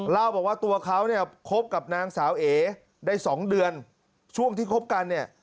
เล่าบอกว่าตัวเขาเนี่ยคบกับนางสาวเอได้๒เดือนช่วงที่คบกันเนี่ย